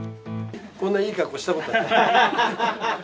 こんないい格好したことない。